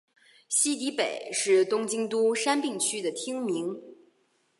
西荻北是东京都杉并区的町名。